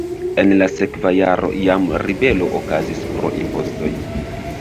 En la sekva jaro jam ribelo okazis pro impostoj.